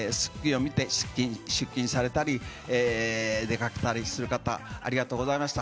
『スッキリ』を見て出勤されたり、出かけたりする方、ありがとうございました。